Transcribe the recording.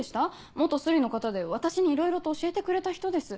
元スリの方で私にいろいろと教えてくれた人です。